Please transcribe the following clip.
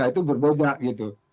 itu berbeda gitu